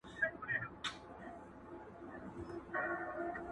اوسېدله دوه ماران يوه ځنگله كي٫